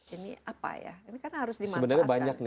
ini apa ya ini kan harus dimanfaatkan